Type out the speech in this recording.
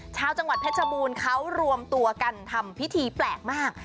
ชาวจังหวัดเพชรบูรณ์เขารวมตัวกันทำพิธีแปลกมาก